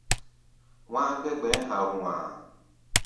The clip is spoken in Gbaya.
Wá̧á̧ gbɛ̧́ gbɛ̧ɛ̧́ ha̧a̧rua̧a̧.